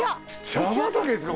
茶畑ですか？